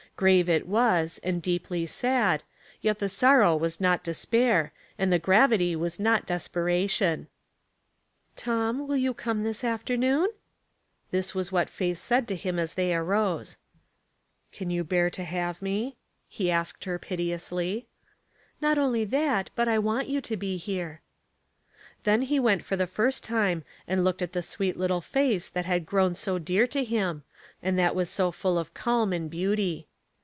Grave it was, and deeply sad, yet the sorrow was not despair, and the gravity was not de/^peration. God's Mystery of Grac^, 331 " Tom, you will come tliis afteriioon ?" Thia was what Faith said to him as they arose. " Can you bear to have me ?" he asked her piteously. " Not only that, but I want you to be here." Then he went for the first time and looked at the sweet little face that had grown so dear to him, and that was so full of calm and beauty.